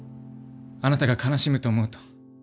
あなたが悲しむと思うと。